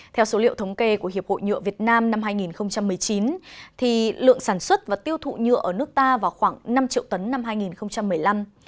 theo số liệu thống kê của hiệp hội nhựa việt nam năm hai nghìn một mươi chín lượng sản xuất và tiêu thụ nhựa ở nước ta vào khoảng năm triệu tấn năm hai nghìn một mươi năm